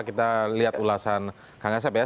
kita lihat ulasan kang asep ya